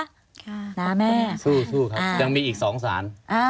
สู้ครับยังมีอีกสองสาร